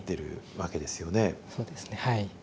そうですねはい。